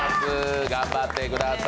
頑張ってください。